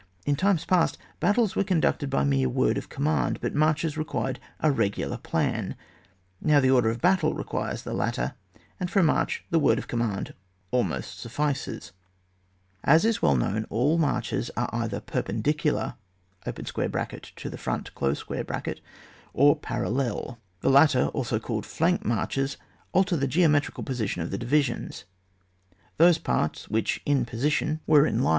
In times past, battles were conducted by mere word of command, but marches required a regular plan, now the order of battle requires the lat ter, and for a march the word of com mand almost suffices. As is well known, all marches are either perpendicular [to the front] or parallel. The latter, also called flank marches, alter the geometrical position of the divisions ; those parts which, in position, were in CHAP.